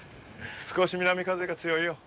少し南風が強いよ。